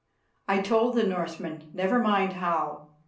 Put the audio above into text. I told the Northmen never mind how.